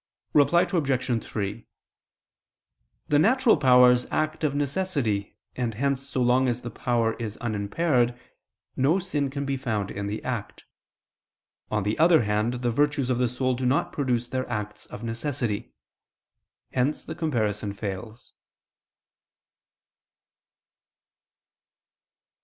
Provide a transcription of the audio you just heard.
Reply Obj. 3: The natural powers act of necessity, and hence so long as the power is unimpaired, no sin can be found in the act. On the other hand, the virtues of the soul do not produce their acts of necessity; hence the comparison fails.